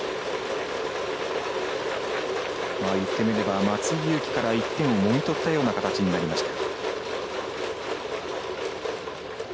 いってみれば松井裕樹から１点をもぎ取ったような形になりました。